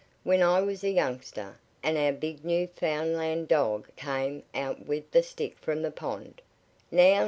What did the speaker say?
"When I was a youngster, and our big Newfoundland dog came out With the stick from the pond " "Now!